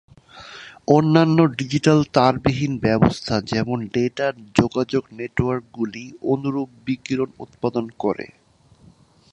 অন্যান্য ডিজিটাল তারবিহীন ব্যবস্থা, যেমন ডেটা যোগাযোগ নেটওয়ার্কগুলি, অনুরূপ বিকিরণ উৎপাদন করে।